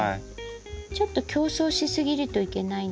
ちょっと競争しすぎるといけないので。